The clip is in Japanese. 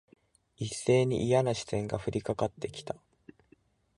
一斉にいやな視線が降りかかって来た。